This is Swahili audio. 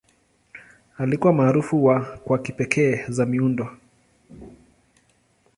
Alikuwa maarufu kwa kipekee za miundo.